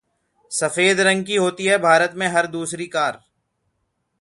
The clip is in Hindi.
सफेद रंग की होती है भारत में हर दूसरी कार